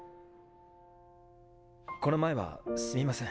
この前はすみません。